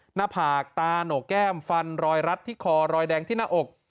หน้าผากตาโหนกแก้มฟันรอยรัดที่คอรอยแดงที่หน้าอก